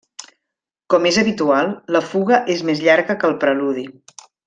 Com és habitual, la fuga és més llarga que el preludi.